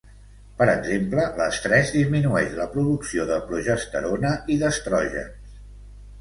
Per exemple, l'estrès disminueix la producció de progesterona i d'estrògens.